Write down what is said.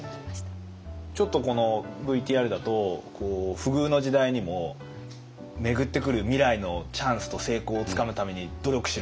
ちょっとこのＶＴＲだと「不遇の時代にも巡ってくる未来のチャンスと成功をつかむために努力しろ！」